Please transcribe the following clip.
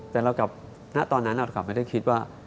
แต่ตอนนั้นเรากลับไม่ได้คิดว่า